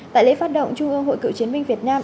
tại lễ phát động trung ương hội cựu chiến binh việt nam